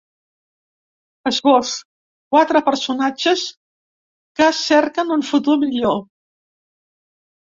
Esbós: Quatre personatges que cerquen un futur millor.